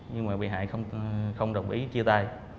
nhưng mà bị hại không đồng ý chia tay